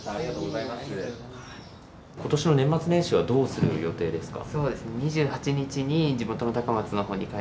ことしの年末年始はどうする予定ですか。